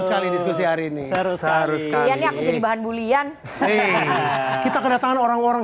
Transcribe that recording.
sekali diskusi hari ini seru seru sekali bahan bulian kita kedatangan orang orang